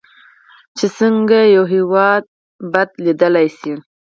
چې څنګه یو هیواد بدلیدلی شي.